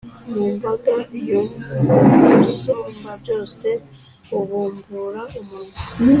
Mumbaga y’Umusumbabyose bubumbura umunwa,